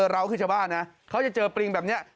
เราคือชาวบ้านนะเขาจะเจอปริงแบบนี้